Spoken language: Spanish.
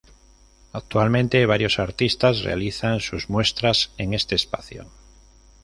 Actualmente, varios artistas realizan sus muestras en este espacio.